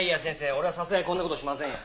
俺はさすがにこんな事しませんよ。